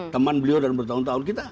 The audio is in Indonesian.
teman beliau dan bertahun tahun kita